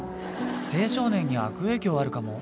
青少年に悪影響あるかも。